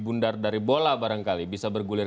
bundar dari bola barangkali bisa bergulir